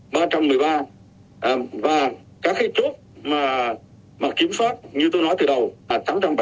và các cái chốt mà kiểm soát như tôi nói từ đầu là tám trăm bảy mươi